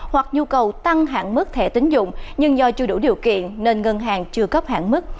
hoặc nhu cầu tăng hạn mức thẻ tính dụng nhưng do chưa đủ điều kiện nên ngân hàng chưa cấp hạn mức